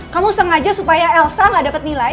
kamu sengaja supaya elsa gak dapat nilai